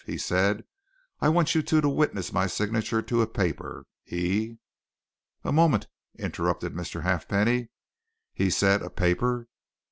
He said: 'I want you two to witness my signature to a paper.' He " "A moment," interrupted Mr. Halfpenny. "He said 'a paper.'